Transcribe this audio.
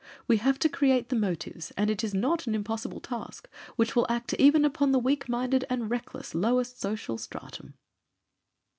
We have to create the motives, and it is not an impossible task, which will act even upon the weak minded and reckless lowest social stratum."